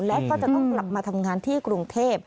และก็จะต้องกลับมาทำงานที่กรุงเทพ